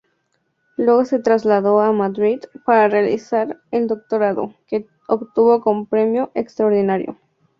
Luego se trasladó a Madrid para realizar el doctorado, que obtuvo con premio extraordinario.